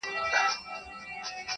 دواړي یو له بله ګراني نازولي -